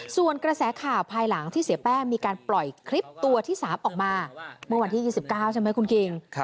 ส่วนกระแสข่าวภายหลังที่เสียแป้งมีการปล่อยคลิปตัวที่๓ออกมาเมื่อวันที่๒๙ใช่ไหมคุณคิง